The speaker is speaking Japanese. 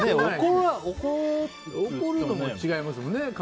怒るのも違いますよね。